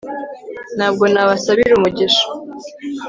ntabwo nabasabira umugisha